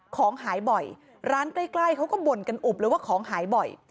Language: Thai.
ของหายบ่อยร้านใกล้เขาก็บ่นกันอุบเลยว่าของหายบ่อย